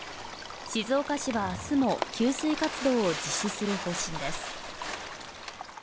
静岡市は明日も給水活動を実施する方針です。